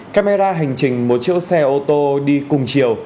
camera hành trình một chiếc xe ô tô đi cùng chiều